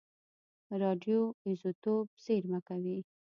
راډیو ایزوتوپ زېرمه کوي.